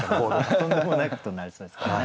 とんでもないことになりそうですけどね。